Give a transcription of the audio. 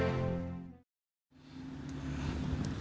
mami nggak boleh sedih